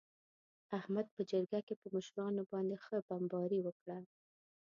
احمد په جرگه کې په مشرانو باندې ښه بمباري وکړه.